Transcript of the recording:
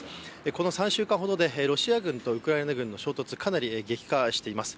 この３週間ほどでロシア軍とウクライナ軍の衝突、かなり激化しています。